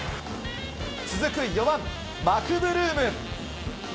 続く４番、マクブルーム。